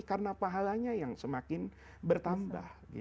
karena pahalanya yang semakin bertambah